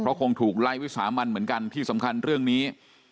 คงถูกไล่วิสามันเหมือนกันที่สำคัญเรื่องนี้